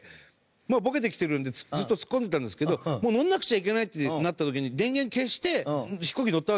まあボケてきてるんでずっとツッコんでたんですけどもう乗らなくちゃいけないってなった時に電源消して飛行機乗ったわけですよ。